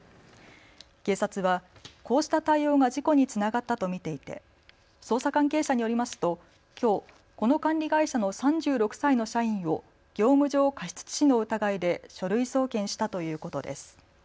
警察はこうした対応が事故につながったと見ていて捜査関係者によりますときょうこの管理会社の３６歳の社員を業務上過失致死の疑いで書類送検したということです。